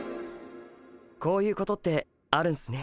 こういうことってあるんすね。